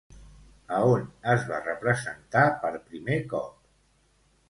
A on es va representar per primer cop?